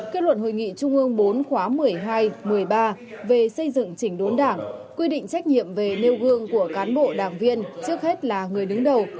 kết luận hội nghị trung ương bốn khóa một mươi hai một mươi ba về xây dựng chỉnh đốn đảng quy định trách nhiệm về nêu gương của cán bộ đảng viên trước hết là người đứng đầu